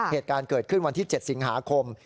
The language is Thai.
เหตุการณ์เกิดขึ้นวันที่๗สิงหาคม